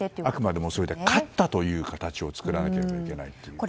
あくまでも、勝ったという形をそれで作らなければいけないので。